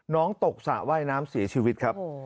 ตกสระว่ายน้ำเสียชีวิตครับ